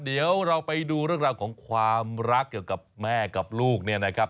เดี๋ยวเราไปดูเรื่องราวของความรักเกี่ยวกับแม่กับลูกเนี่ยนะครับ